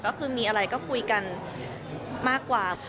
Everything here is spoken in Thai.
ก็คือมีอะไรก็คุยกันมากกว่า